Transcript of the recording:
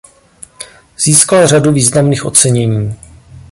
Získal řadu významných ocenění.